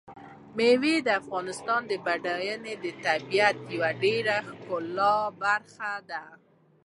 مېوې د افغانستان د بډایه طبیعت یوه ډېره ښکلې برخه ده.